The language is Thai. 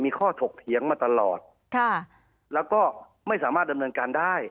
มีข้อถกเถียงมาตลอดค่ะแล้วก็ไม่สามารถดำเนินการได้